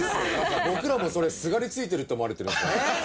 僕らもそれすがりついてるって思われてるんですから。